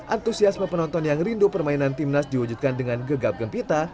antusiasme penonton yang rindu permainan timnas diwujudkan dengan gegap gempita